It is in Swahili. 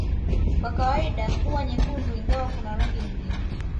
Kwa kawaida huwa nyekundu ingawa kuna rangi nyingine